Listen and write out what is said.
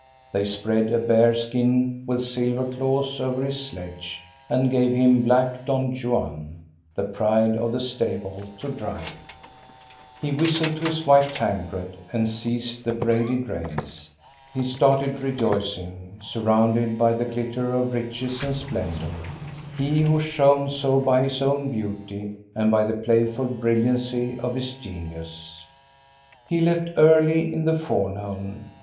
They spread a bear skin with silver claws over his sledge, and gave him black Don Juan, the pride of the stable, to drive. 64 THE STORY OF GO ST A BERUNG He whistled to his white Tancred^ and seized the braided reins. He started rejoicing, surrounded by the glitter of riches and splendor, he who shone so by his own beauty and by the playful brilliancy of his genius. He left early in the forenoon.